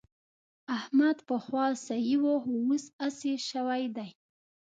احمد پخوا سخي وو خو اوس اسي شوی دی.